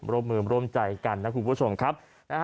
ร่วมมือร่วมใจกันนะคุณผู้ชมครับ